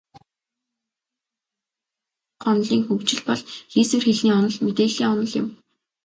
Энэ үеийн цахим хэлшинжлэлд холбогдох онолын хөгжил бол хийсвэр хэлний онол, мэдээллийн онол юм.